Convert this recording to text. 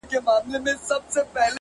گراني چي ستا سره خبـري كوم!!